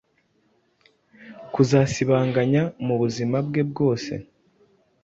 kuzasibanganya mu buzima bwe bwose.